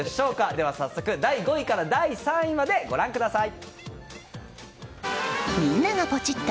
では早速、第５位から第３位までご覧ください。